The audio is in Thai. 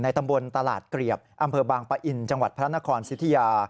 ตำบลตลาดเกลียบอำเภอบางปะอินจังหวัดพระนครสิทธิยา